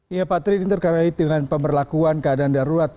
iya pak trin ini terkait dengan pemberlakuan keadaan darurat